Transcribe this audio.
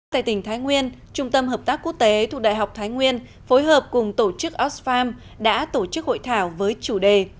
tại tỉnh thái nguyên trung tâm hợp tác quốc tế thuộc đại học thái nguyên phối hợp cùng tổ chức oxfam đã tổ chức hội thảo với chủ đề